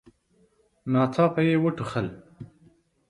ناڅاپه يې وټوخل.